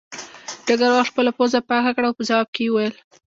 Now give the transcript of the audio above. ډګروال خپله پوزه پاکه کړه او په ځواب کې یې وویل